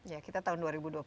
ya kita tahun dua ribu dua puluh